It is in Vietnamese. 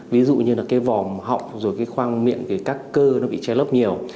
ví dụ như là vòng họng khoang miệng các cơ bị che lớp nhiều